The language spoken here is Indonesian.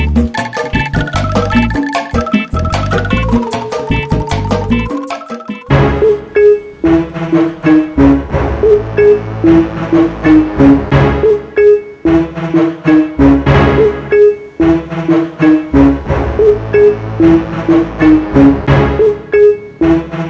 mereka mau bisnis